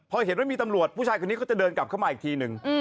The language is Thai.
พอเห็นว่ามีตำรวจผู้ชายคนนี้ก็จะเดินกลับเข้ามาอีกทีนึง